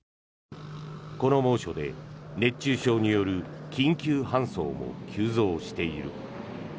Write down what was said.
この猛暑で熱中症による緊急搬送も急増している。